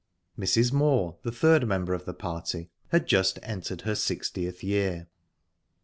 Mrs. Moor, the third member of the party, had just entered her sixtieth year.